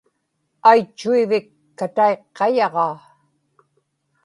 aitchuivik kataiqqayaġaa